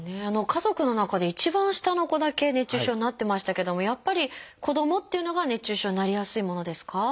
家族の中で一番下の子だけ熱中症になってましたけどもやっぱり子どもっていうのが熱中症になりやすいものですか？